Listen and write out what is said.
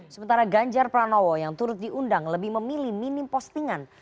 sementara ganjar pranowo yang turut diundang lebih memilih minim postingan